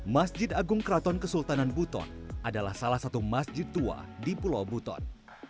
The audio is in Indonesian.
masjid agung keraton kesultanan buton adalah salah satu masjid tua di pulau buton